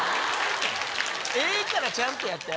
ええからちゃんとやって。